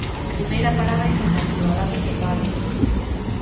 Primeira parada informativa: datos do paro.